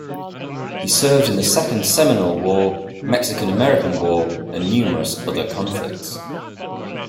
He served in the Second Seminole War, Mexican-American War, and numerous other conflicts.